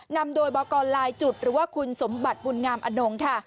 นำโดยบอกกรลายจุดหรือว่าคุณสมบัติบุญงามอนงค่ะ